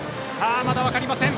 まだ分かりません。